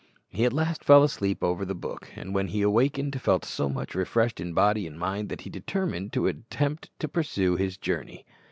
He at last fell asleep over the book, and when he awakened felt so much refreshed in body and mind that he determined to attempt to pursue his journey.